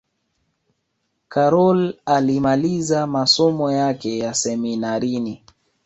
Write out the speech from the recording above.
karol alimaliza masomo yake ya seminarini